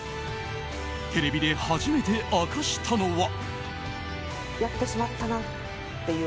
テレビで初めて明かしたのは。